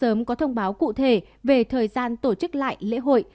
ubnd đã có thông báo cụ thể về thời gian tổ chức lại lễ hội